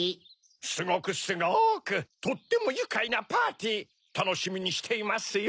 すごくすごくとってもゆかいなパーティーたのしみにしていますよ。